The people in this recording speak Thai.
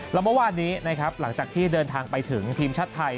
แล้วเมื่อวานนี้นะครับหลังจากที่เดินทางไปถึงทีมชาติไทย